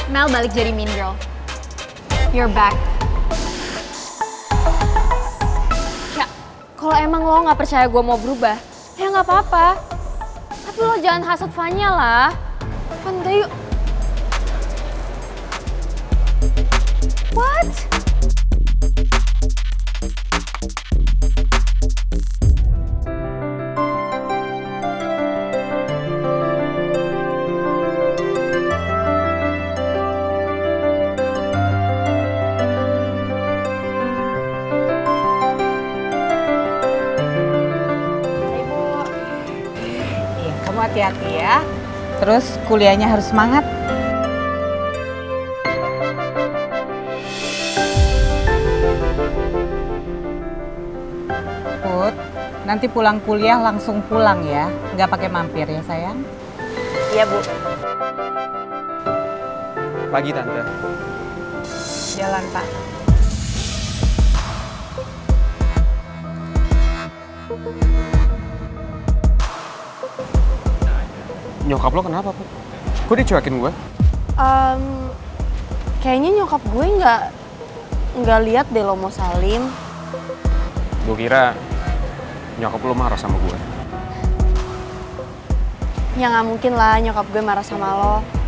mel balik jadi mean girl